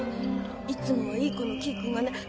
いつもはいい子のキーくんがねピュー